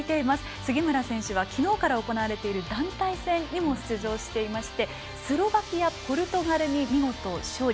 杉村選手は昨日から行われている団体戦にも出場していましてスロバキア、ポルトガルに見事、勝利。